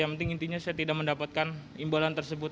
yang penting intinya saya tidak mendapatkan imbalan tersebut